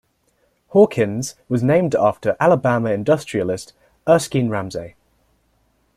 Hawkins was named after Alabama industrialist Erskine Ramsay.